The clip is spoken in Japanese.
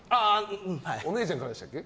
お姉ちゃんからでしたっけ？